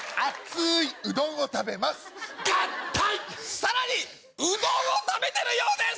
更にうどんを食べてるようです！